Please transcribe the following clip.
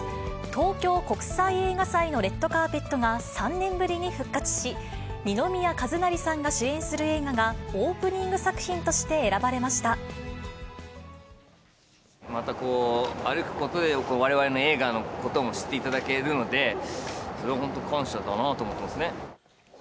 東京国際映画祭のレッドカーペットが３年ぶりに復活し、二宮和也さんが主演する映画が、オープニング作品として選ばれままた歩くことで、われわれの映画のことも知っていただけるので、それは本当、感謝だなと思ってますね。